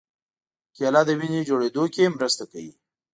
کېله د وینې جوړېدو کې مرسته کوي.